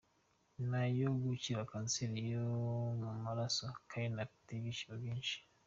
Nyuma yo gukira kanseri yo mu maraso Karen afite ibyishimo byinshi.